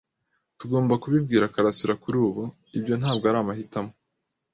"Tugomba kubibwira karasira kuri ubu." "Ibyo ntabwo ari amahitamo."